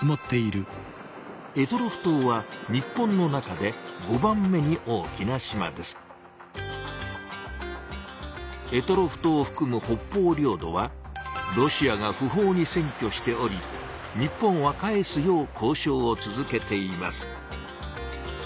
択捉島は択捉島をふくむ北方領土はロシアが不法に占拠しており日本は返すよう交しょうを続けています。